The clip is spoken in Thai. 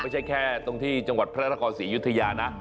ไม่ใช่แค่ตรงที่จังหวัดพระนครศรียุธยานะ